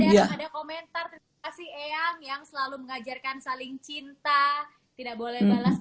ada komentar kasih eyang yang selalu mengajarkan saling cinta tidak boleh balas